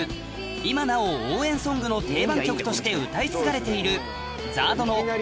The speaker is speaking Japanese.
今なお応援ソングの定番曲として歌い継がれている